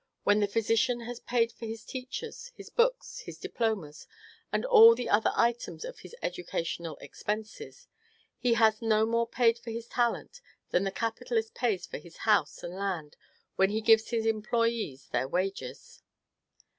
When the physician has paid for his teachers, his books, his diplomas, and all the other items of his educational expenses, he has no more paid for his talent than the capitalist pays for his house and land when he gives his employees their wages.